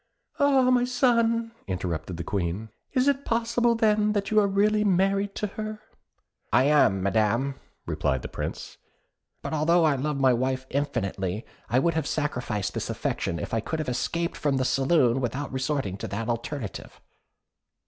"Ah, my son," interrupted the Queen, "is it possible, then, that you are really married to her?" "I am, Madam," replied the Prince; "but although I love my wife infinitely, I would have sacrificed this affection if I could have escaped from the saloon without resorting to that alternative."